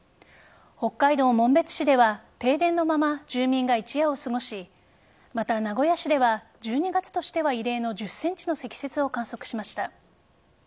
北海道紋別市では停電のまま、住民が一夜を過ごしまた、名古屋市では１２月としては異例の１０ｃｍの積雪を観測しました。